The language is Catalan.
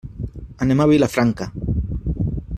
Anem a Vilafranca.